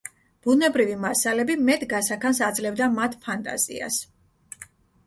ბუნებრივი მასალები მეტ გასაქანს აძლევდა მათ ფანტაზიას.